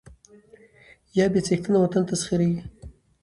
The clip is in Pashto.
يا بې څښنته وطن تسخيروي